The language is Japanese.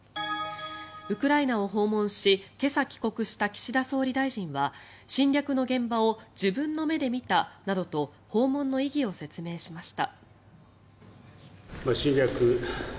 ウクライナを訪問し今朝帰国した岸田総理大臣は侵略の現場を自分の目で見たなどと訪問の意義を説明しました。